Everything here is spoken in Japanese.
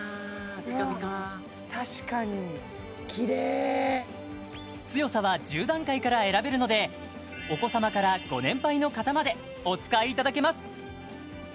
ぴかぴか確かにきれい強さは１０段階から選べるのでお子様からご年配の方までお使いいただけます